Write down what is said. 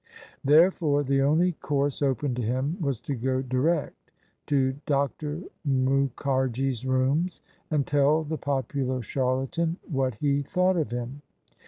Therefore the only course open to him was to go direct to Dr. Mukharji's rooms and tell the popular charlatan what he thought of him.